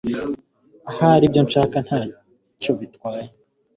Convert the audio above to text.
Ahari ibyo nshaka ntacyo bitwaye